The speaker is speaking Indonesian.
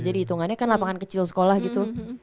hitungannya kan lapangan kecil sekolah gitu